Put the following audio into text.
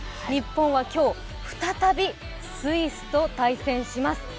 日本は今日再びスイスと対戦します。